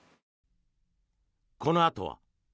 このあとは。